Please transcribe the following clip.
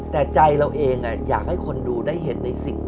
แต่ใจเราเองอยากให้คนดูได้เห็น